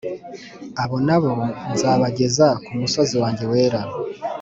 Abo na bo nzabageza ku musozi wanjye wera